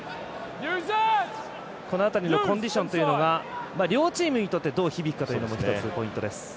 この辺りのコンディションというのが両チームにとってどう響くかというのも一つポイントです。